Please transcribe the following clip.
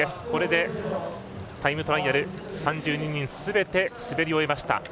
これでタイムトライアル３２人すべて滑り終えました。